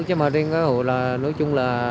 chứ mà riêng là nói chung là